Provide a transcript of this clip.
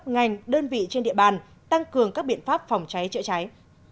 ngành đơn vị trên địa bàn tăng cường các biện pháp phòng cháy chữa cháy